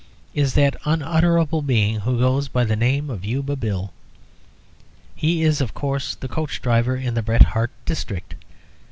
is that unutterable being who goes by the name of Yuba Bill. He is, of course, the coach driver in the Bret Harte district.